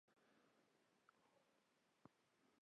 آیا بهرنۍ مرستې اغیزمنې وې؟